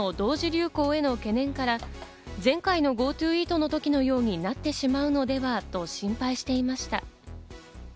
流行への懸念から、前回のＧｏＴｏＥａｔの時のようになってしまうのではと心配していました。